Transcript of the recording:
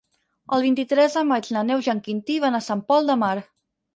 El vint-i-tres de maig na Neus i en Quintí van a Sant Pol de Mar.